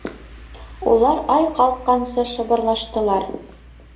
Улар ай ҡалҡҡансы шыбырлаштылар.